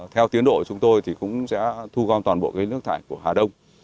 theo tiến độ của chúng tôi thì cũng sẽ thu gom toàn bộ nước thải của hà đông